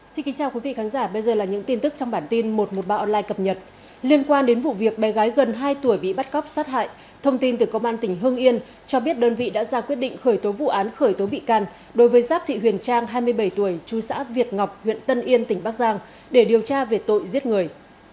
xin kính chào quý vị khán giả bây giờ là những tin tức trong bản tin một trăm một mươi ba online cập nhật liên quan đến vụ việc bé gái gần hai tuổi bị bắt cóc sát hại thông tin từ công an tỉnh hương yên cho biết đơn vị đã ra quyết định khởi tố vụ án khởi tố bị can đối với giáp thị huyền trang hai mươi bảy tuổi chú xã việt ngọc huyện tân yên tỉnh bắc giang để điều tra về tội giết người